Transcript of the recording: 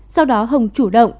sau đó hồng chủ động